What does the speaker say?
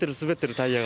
タイヤが。